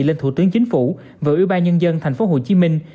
lên thủ tướng chính phủ và ủy ban nhân dân thành phố hồ chí minh